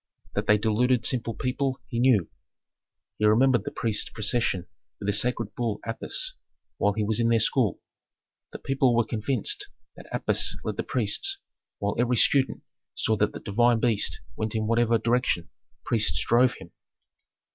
That they deluded simple people, he knew. He remembered the priests' procession with the sacred bull Apis, while he was in their school. The people were convinced that Apis led the priests, while every student saw that the divine beast went in whatever direction priests drove him.